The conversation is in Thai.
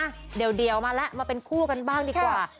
เดี๋ยวมาแล้วมาเป็นคู่กันบ้างดีกว่า